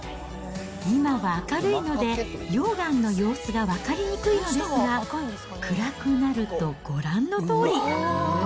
今は明るいので、溶岩の様子が分かりにくいのですが、暗くなると、ご覧のとおり。